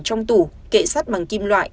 trong tủ kệ sắt bằng kim loại